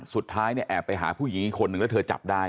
สุดท้ายเนี่ยแอบไปหาผู้หญิงอีกคนนึงแล้วเธอจับได้